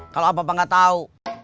kalau apa apa gak tau